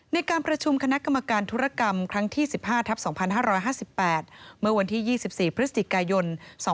ในการประชุมคณะกรรมการธุรกรรมครั้งที่๑๕ทับ๒๕๕๘เมื่อวันที่๒๔พฤศจิกายน๒๕๖